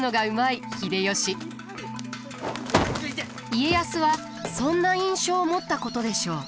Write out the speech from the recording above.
家康はそんな印象を持ったことでしょう。